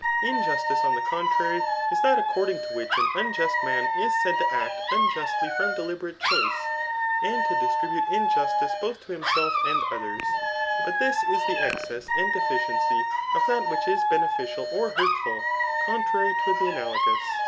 Injustice, on the contrary, is that according to which an mijust man Is said to act unjustly from deliberate choice, and ta distribute injustice both to himself and others; but tf& IS the excess and defidency of that which is bene^ fic&d or hurtful, contrary to the analogous.